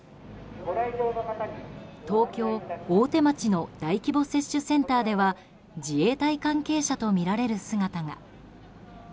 東京・大手町の大規模接種センターでは自衛隊関係者とみられる姿が。